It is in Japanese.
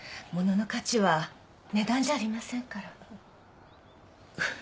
物の価値は値段じゃありませんから。